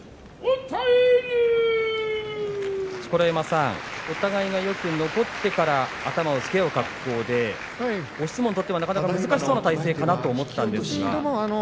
錣山さん、お互いがよく残ってから頭をつけ合う格好で押し相撲にとってはなかなか難しそうな体勢かなと思ったんですが。